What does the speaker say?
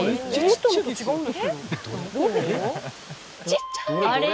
ちっちゃい！どれ！？